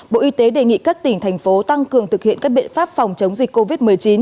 bộ y tế đề nghị các tỉnh thành phố tăng cường thực hiện các biện pháp phòng chống dịch covid một mươi chín